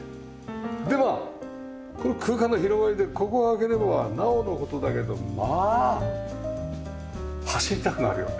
まあこの空間の広がりでここを開ければなおの事だけどまあ走りたくなるよね。